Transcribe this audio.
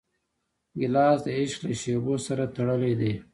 ګیلاس د عشق له شېبو سره تړلی دی.